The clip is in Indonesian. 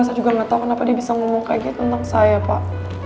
saya juga nggak tahu kenapa dia bisa ngomong kayak gitu tentang saya pak